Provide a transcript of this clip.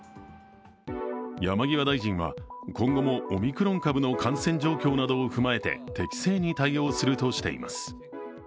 山際大臣は今後もオミクロン株の感染状況などを踏まえて適正に対応するとしています。